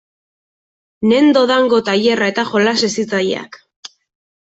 Nendo Dango tailerra eta jolas hezitzaileak.